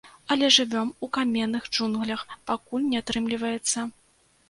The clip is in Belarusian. Але жывём у каменных джунглях, пакуль не атрымліваецца.